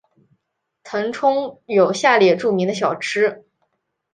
腾冲有下列著名的小吃。